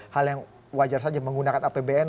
hal yang wajar saja menggunakan apbn